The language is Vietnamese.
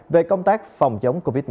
về công tác phòng chống covid một mươi chín